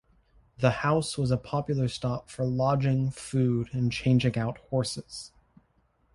The house was a popular stop for lodging, food, and changing out horses.